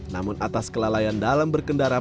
namun atas kelalaian dalam berkendara